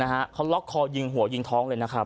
เขาล็อกคอยิงหัวยิงท้องเลยนะครับ